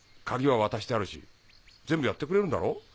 鍵は渡してあるし全部やってくれるんだろ？